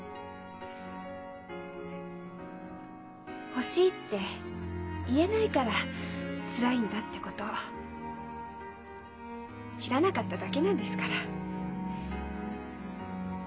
「欲しい」って言えないからつらいんだってこと知らなかっただけなんですから。